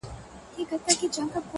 • هلته پاس چي په سپوږمـۍ كــي ـ